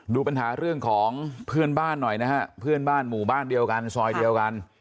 ดูปัญหาเรื่องของเพื่อนบ้านหน่อยนะฮะเพื่อนบ้านหมู่บ้านเดียวกันซอยเดียวกัน